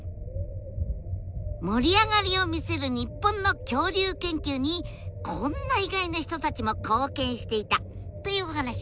盛り上がりを見せる日本の恐竜研究にこんな意外な人たちも貢献していたというお話です！